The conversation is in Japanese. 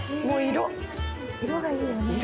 色がいいよね。